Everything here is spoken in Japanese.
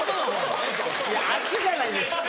あっちじゃないです